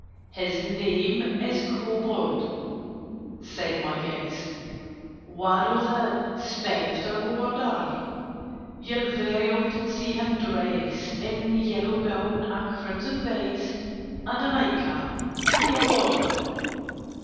"His name is Kobold," said my guest: "One of the Spectre order: You'll very often see him dressed In a yellow gown, a crimson vest, And a night cap with a border.